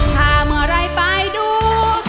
ถ้าเมื่อไหร่ไปดู